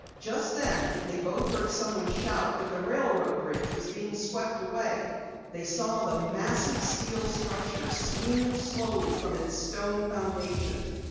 Just then they both heard someone shout that the railroad bridge was being swept away. They saw the massive steel structure swing slowly from its stone foundation.